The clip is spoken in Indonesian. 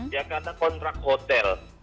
ya kata kontrak hotel